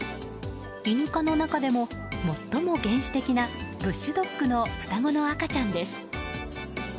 イヌ科の中でも最も原始的なブッシュドッグの双子の赤ちゃんです。